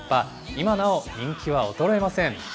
今なお人気は衰えません。